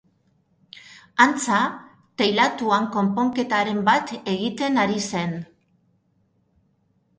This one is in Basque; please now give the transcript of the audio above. Antza, teilatuan konponketaren bat egiten ari zen.